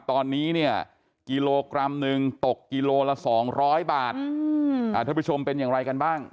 ตอนนี้เนี่ยกิโลกรัมหนึ่งตกกิโลละ๒๐๐บาทท่านผู้ชมเป็นอย่างไรกันบ้าง